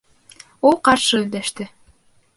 Ул ҡаршы өндәште: